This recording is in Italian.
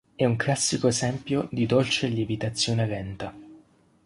È un classico esempio di dolce a lievitazione lenta.